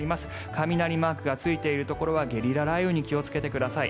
雷マークがついているところはゲリラ雷雨に気をつけてください。